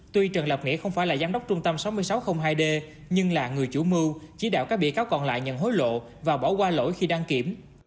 tuy trần lập nghĩa không phải là giám đốc trung tâm sáu nghìn sáu trăm linh hai d nhưng là người chủ mưu chỉ đạo các bị cáo còn lại nhận hối lộ và bỏ qua lỗi khi đăng kiểm